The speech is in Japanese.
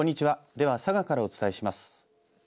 では佐賀からお伝えします。